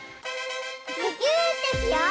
むぎゅーってしよう！